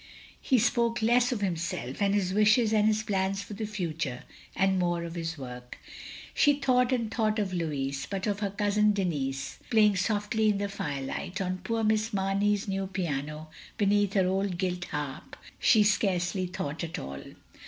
He spoke less of himself and his wishes and his plans for the future, and more of his work. She thought and thought of Lotiis, — ^but of her cousin Denis, playing softly in the firelight, on poor Miss Mamey's new piano, beneath her old gilt harp— ^he scarcely thought at all.